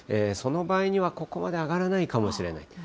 その場合には、ここまで上がらないかもしれない。